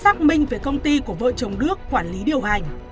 người cũng điều tra xác minh về công ty của vợ chồng đước quản lý điều hành